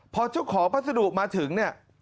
พอเจ้าของพัสดุมาถึง